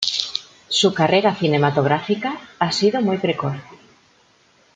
Su carrera cinematográfica ha sido muy precoz.